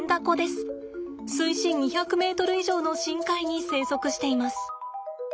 水深２００ｍ以上の深海に生息しています。